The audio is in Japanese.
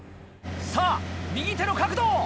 さぁ右手の角度を！